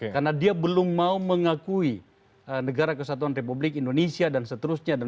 karena dia belum mau mengakui negara kesatuan republik indonesia dan seterusnya